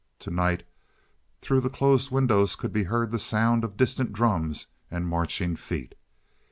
To night through the closed windows could be heard the sound of distant drums and marching feet.